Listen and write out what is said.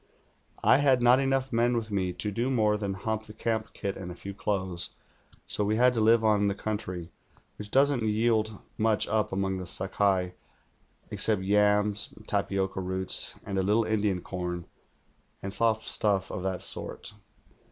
I had not enough men with me to do more than hump the camp kit and a few clothes, so we had to live on the country, which doesn't yield much up among the Sakai except yams and tapioca roots and a little Indian corn, and soft stuff of that sort.